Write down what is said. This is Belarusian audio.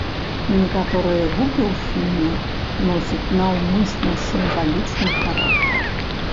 Некаторыя гукі ў фільме носяць наўмысна сімвалічны характар.